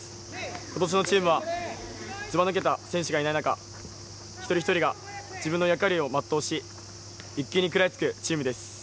ことしのチームはずばぬけた選手がいない中一人一人が自分の役割を全うし１球に食らいつくチームです。